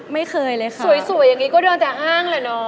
ไม่เคยเลยค่ะ